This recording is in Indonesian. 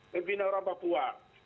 pindah orang ke papua